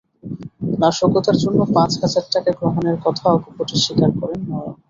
নাশকতার জন্য পাঁচ হাজার টাকা গ্রহণের কথা অকপটে স্বীকার করেন নয়ন।